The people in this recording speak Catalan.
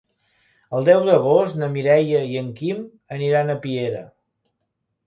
El deu d'agost na Mireia i en Quim aniran a Piera.